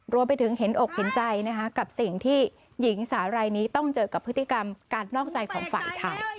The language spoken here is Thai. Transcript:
รวมไปถึงเห็นอกเห็นใจนะคะกับสิ่งที่หญิงสาวรายนี้ต้องเจอกับพฤติกรรมการนอกใจของฝ่ายชาย